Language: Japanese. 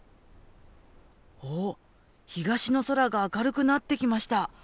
あっ東の空が明るくなってきました。